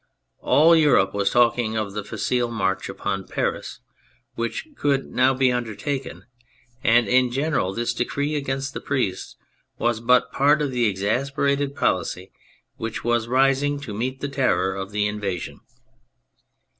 All Europe was talking of the facile march upon Paris which could now be undertaken ; and in general this decree against the priests was but part of the exasperated policy which was rising to meet the terror of the invasion.